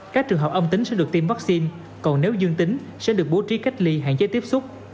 các trường hợp âm tính sẽ được tiêm vaccine còn nếu dương tính sẽ được bố trí cách ly hạn chế tiếp xúc